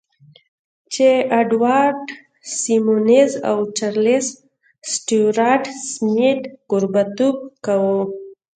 جې اډوارډ سیمونز او چارلیس سټیوارټ سمیت کوربهتوب کاوه